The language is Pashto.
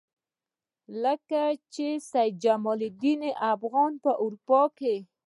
کله چې سید جمال الدین افغاني په اروپا کې.